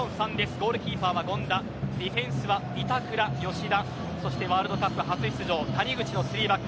ゴールキーパーは権田ディフェンスは板倉、吉田そしてワールドカップ初出場谷口の３バック。